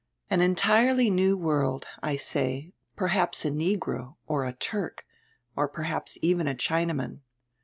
"An entirely new world, I say, perhaps a negro, or a Turk, or perhaps even a Chinaman."